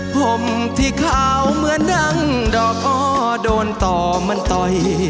ผมที่ขาวเหมือนดังดอกอ้อโดนต่อมันต่อย